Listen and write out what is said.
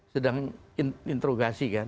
sedang interogasi kan